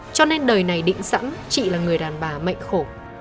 cho nên đời này định sẵn chị là người đàn bà mệnh khổ